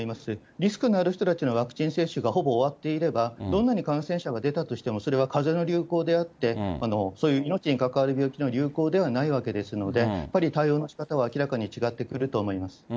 リスクのある人たちのワクチン接種がほぼ終わっていれば、どんなに感染者が出たとしても、それはかぜの流行であって、そういう命にかかわる病気の流行ではないわけですので、やっぱり対応のしかたは明らかに違ってくると思います。